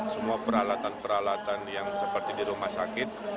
semua peralatan peralatan yang seperti di rumah sakit